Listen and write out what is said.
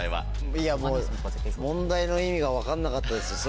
いやもう問題の意味が分かんなかったです。